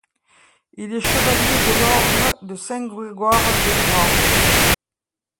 Il est chevalier de l’Ordre de Saint-Grégoire-le-Grand.